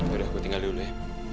udah gue tinggal dulu ya